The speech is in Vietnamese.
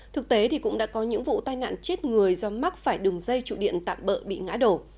thực tế thì cũng đã có những vụ tai nạn chết người do mắc phải đường dây trụ điện tạm bỡ bị ngã đổ